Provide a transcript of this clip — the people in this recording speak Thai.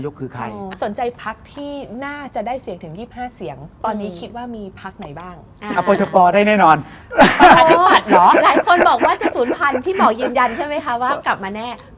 หลายคนบอกว่าจะศูนย์พันธุ์พี่หมอเย็นใช่ไหมคะว่ากลับมาแน่